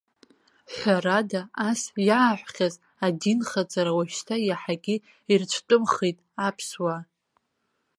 Ҳәарада, ас иааҳәхьаз адинхаҵара уажәшьта иаҳагьы ирыцәтәымхеит аԥсуаа.